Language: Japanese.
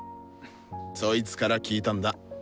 そいつから聞いたんだ。